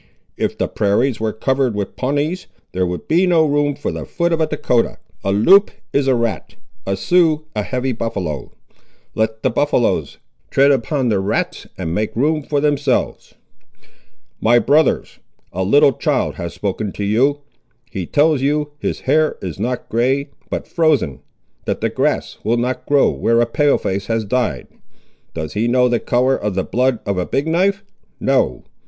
If the prairies were covered with Pawnees, there would be no room for the foot of a Dahcotah. A Loup is a rat, a Sioux a heavy buffaloe; let the buffaloes tread upon the rats and make room for themselves. "My brothers, a little child has spoken to you. He tells you, his hair is not grey, but frozen—that the grass will not grow where a Pale face has died. Does he know the colour of the blood of a Big knife? No!